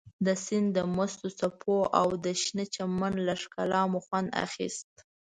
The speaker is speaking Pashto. د سیند د مستو څپو او د شنه چمن له ښکلا مو خوند اخیست.